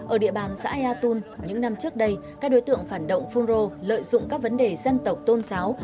ở địa bàn xã ea tôn những năm trước đây các đối tượng phản động phun rô lợi dụng các vấn đề dân tộc tôn giáo